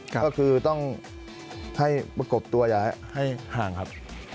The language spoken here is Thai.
ก็คือต้องให้ประกบตัวอย่าให้ห่างครับ